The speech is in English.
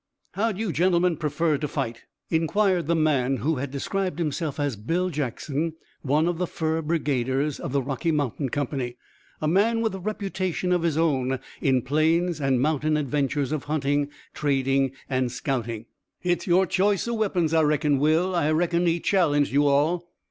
"How'd you gentlemen prefer fer to fight?" inquired the man who had described himself as Bill Jackson, one of the fur brigaders of the Rocky Mountain Company; a man with a reputation of his own in Plains and mountain adventures of hunting, trading and scouting. "Hit's yore ch'ice o' weapons, I reckon, Will. I reckon he challenged you all."